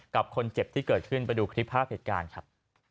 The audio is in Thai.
กับคนเจ็บที่เกิดขึ้นไปดูคลิปภาพเหตุการณ์ครับ